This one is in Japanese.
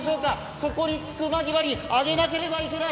底につく間際に上げなければいけない。